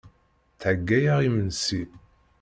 Ttheggayeɣ imensi.